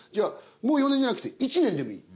もう４年じゃなくて１年でもいい。